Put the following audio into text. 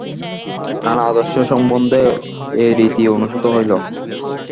নানা আদর্শ সম্বন্ধে এই রীতি অনুসৃত হইল।